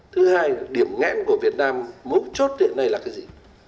thứ hai là điểm ngã của việt nam múc chốt hiện nay là cái gì